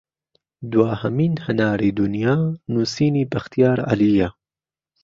دواهەمین هەناری دونیا نوسینی بەختیار عەلییە